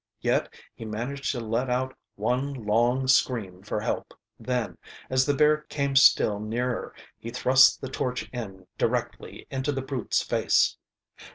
Yet he managed to let out one long scream for help. Then as the bear came still nearer, he thrust the torch end directly into the brute's face.